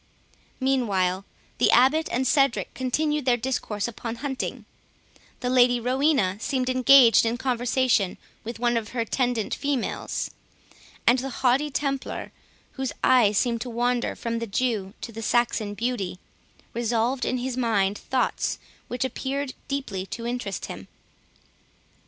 Meanwhile the Abbot and Cedric continued their discourse upon hunting; the Lady Rowena seemed engaged in conversation with one of her attendant females; and the haughty Templar, whose eye wandered from the Jew to the Saxon beauty, revolved in his mind thoughts which appeared deeply to interest him.